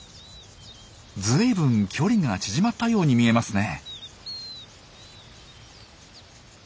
ずいぶん距離が縮まったように見えますね。